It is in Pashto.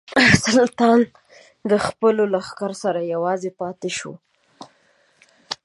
سلطان له خپلو لښکرو سره یوازې پاته شو.